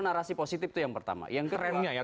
narasi positif itu yang pertama yang kerennya ya